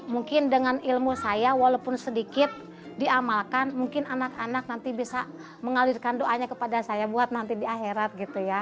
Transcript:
mungkin dengan ilmu saya walaupun sedikit diamalkan mungkin anak anak nanti bisa mengalirkan doanya kepada saya buat nanti di akhirat gitu ya